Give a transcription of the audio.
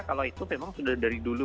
kalau itu memang sudah dari dulu